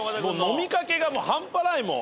飲みかけがもう半端ないもん。